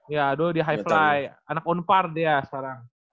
iya dulu di high fly anak on par dia sekarang